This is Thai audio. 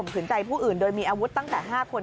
ขืนใจผู้อื่นโดยมีอาวุธตั้งแต่๕คน